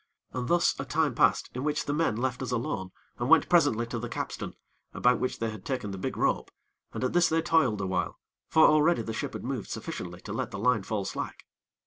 And thus a time passed, in which the men left us alone, and went presently to the capstan, about which they had taken the big rope, and at this they toiled awhile; for already the ship had moved sufficiently to let the line fall slack.